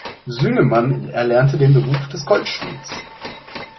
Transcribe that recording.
Süleyman erlernte den Beruf des Goldschmieds.